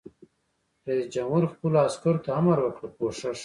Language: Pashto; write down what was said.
رئیس جمهور خپلو عسکرو ته امر وکړ؛ پوښښ!